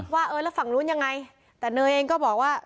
ว่าเออแล้วฝั่งนู้นยังไงแต่เนยเองก็บอกว่า